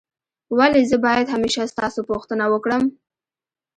ولي زه باید همېشه ستاسو پوښتنه وکړم؟